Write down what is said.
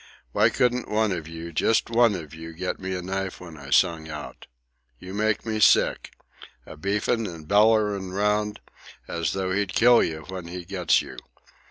Why couldn't one of you, just one of you, get me a knife when I sung out? You make me sick! A beefin' and bellerin' 'round, as though he'd kill you when he gets you!